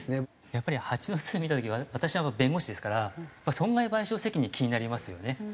やっぱりハチの巣見た時私は弁護士ですから損害賠償責任気になりますよね。